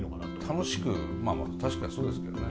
楽しくまあまあ確かにそうですけどね。